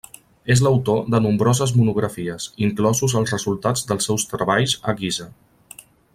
És l'autor de nombroses monografies, inclosos els resultats dels seus treballs a Gizeh.